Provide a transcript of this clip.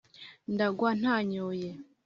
ndagwa ntanyoye